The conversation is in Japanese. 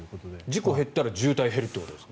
事故が減ったら渋滞が減るということですか。